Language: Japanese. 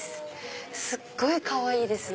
すごいかわいいですね。